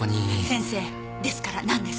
先生ですからなんです？